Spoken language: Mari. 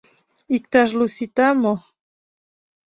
— Иктаж лу сита мо?